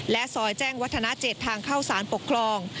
ซอยแจ้งวัฒนา๗ทางเข้าสารปกครอง